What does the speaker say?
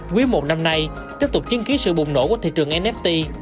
quý i năm nay tiếp tục chứng kí sự bùng nổ của nft